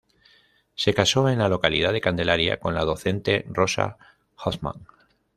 Se casó en la localidad de Candelaria con la docente Rosa Hauptmann.